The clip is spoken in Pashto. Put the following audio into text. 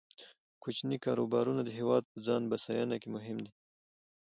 کوچني کاروبارونه د هیواد په ځان بسیاینه کې مهم دي.